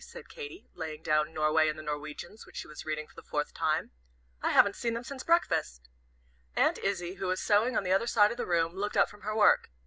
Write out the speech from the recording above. said Katy laying down "Norway and the Norwegians," which she was reading for the fourth time; "I haven't seen them since breakfast." Aunt Izzie, who was sewing on the other side of the room, looked up from her work.